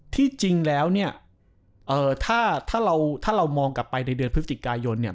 ที่จริงแล้วเนี่ยถ้าเราถ้าเรามองกลับไปในเดือนพฤศจิกายนเนี่ย